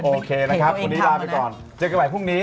โอเคนะครับวันนี้ลาไปก่อนเจอกันใหม่พรุ่งนี้